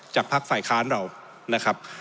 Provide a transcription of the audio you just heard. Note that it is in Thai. จากภาคฝ่ายค้านเรา